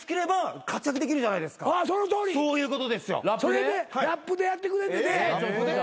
それでラップでやってくれんねんって。